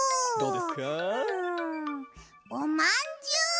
うん。おまんじゅう！